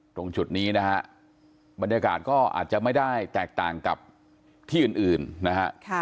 ตรงจุดนี้นะฮะบรรยากาศก็อาจจะไม่ได้แตกต่างกับที่อื่นนะฮะ